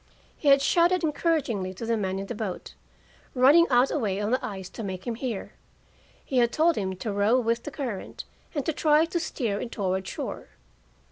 He had shouted encouragingly to the man in the boat, running out a way on the ice to make him hear. He had told him to row with the current, and to try to steer in toward shore.